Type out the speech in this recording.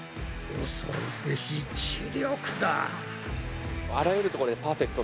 恐るべし知力だ。